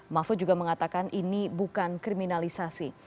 mahfud juga mengatakan ini bukan kriminalisasi